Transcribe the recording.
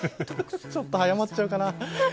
ちょっと早まっちゃうかな。